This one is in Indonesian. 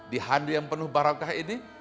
di handu yang penuh barakah ini